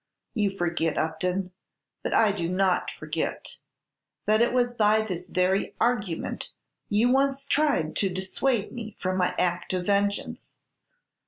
You forget, Upton, but I do not forget, that it was by this very argument you once tried to dissuade me from my act of vengeance.